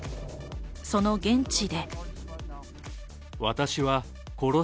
その現地で。